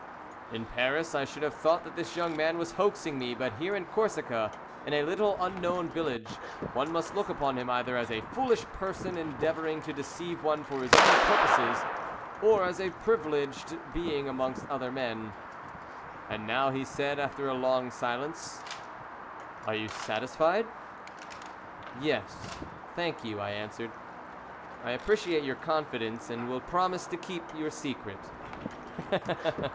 In Paris I should have thought that this young man was hoaxing me; but here in Corsica, in a little unknown village, one must look upon him either as a foolish person endeavouring to deceive one for his own purposes, or as a privileged being amongst other men. "And now," he said, after a long silence, "are you satisfied?" "Yes, thank you," I answered. "I appreciate your confidence, and will promise to keep your secret."